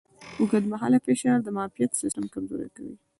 اوږدمهاله فشار د معافیت سیستم کمزوری کوي.